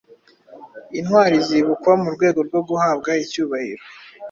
Intwari zibukwa mu rwego rwo guhabwa icyubahiro